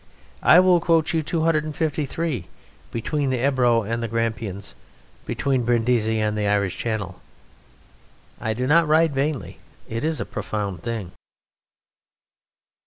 I will quote you 253 between the Ebro and the Grampians, between Brindisi and the Irish Channel. I do not write vainly. It is a profound thing.